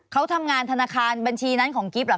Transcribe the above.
เขาทำงานธนาคารบัญชีนั้นของกิ๊บเหรอค